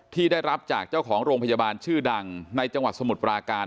ที่ได้รับจากเจ้าของโรงพยาบาลชื่อดังในจังหวัดสมุทรปราการ